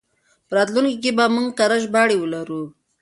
په راتلونکي کې به موږ کره ژباړې ولرو.